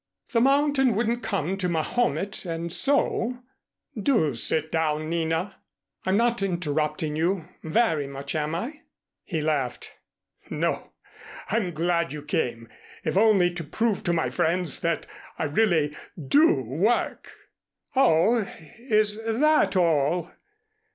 "The mountain wouldn't come to Mahomet and so " "Do sit down, Nina." "I'm not interrupting you very much, am I?" He laughed. "No. I'm glad you came, if only to prove to my friends that I really do work." "Oh, is that all?"